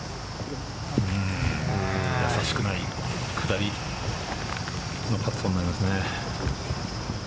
易しくない下りのパットになりますね。